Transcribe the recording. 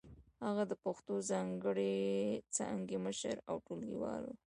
هغه د پښتو څانګې مشر او ټولګيوال و.